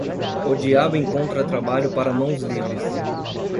O diabo encontra trabalho para mãos livres.